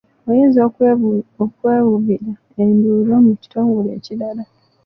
Oyinza okwekubira enduulu mu kitongole ekirala.